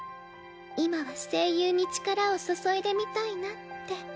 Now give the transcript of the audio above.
今は声優に力を注いでみたいなって。